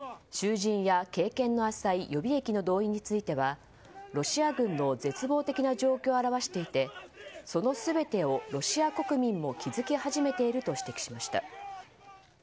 更に、囚人や経験の浅い予備役の動員についてはロシア軍の絶望的な状況を表していてその全てをロシア国民も気づき始めていると指摘しました。